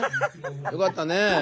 よかったね。